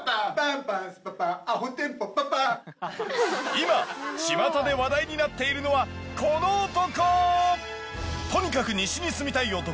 今ちまたで話題になっているのはこの男！